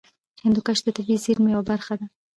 هندوکش د طبیعي زیرمو یوه برخه ده.